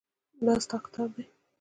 دا ستا کتاب دی.